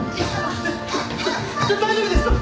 だ大丈夫ですか？